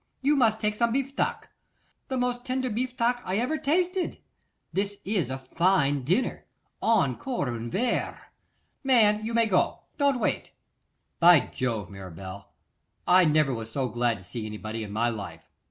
You must take some bifteac. The most tender bifteac I ever tasted! This is a fine dinner. Encore un verre! Man, you may go; don't wait.' 'By Jove, Mirabel, I never was so glad to see anybody in my life.